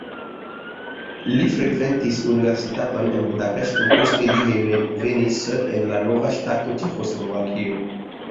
Li frekventis universitaton en Budapeŝto, poste li hejmenvenis en la nova ŝtato Ĉeĥoslovakio.